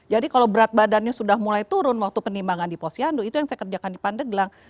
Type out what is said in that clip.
jadi kalau berat badannya sudah mulai turun waktu penimbangan di posyandu itu yang saya kerjakan dipandang